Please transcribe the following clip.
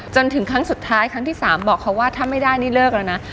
จนถึงครั้งสุดท้ายครั้งที่๓บอกเขาว่าถ้าไม่ได้นี่เลิกแล้วนะ